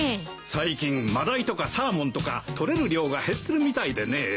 最近マダイとかサーモンとか捕れる量が減ってるみたいでねえ。